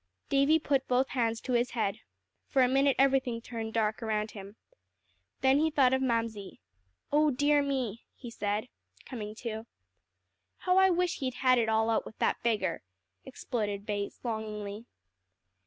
Davie put both hands to his head. For a minute everything turned dark around him. Then he thought of Mamsie. "Oh dear me!" he said, coming to. "How I wish he'd had it all out with that beggar!" exploded Bates longingly.